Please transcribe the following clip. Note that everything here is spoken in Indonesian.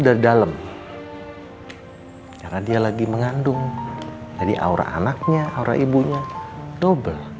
dari dalam karena dia lagi mengandung jadi aura anaknya aura ibunya double